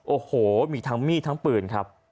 โอ้โหมีทั้งมีดทั้งปืนครับ